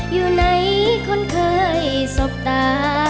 อยู่ไหนคนเคยสบตา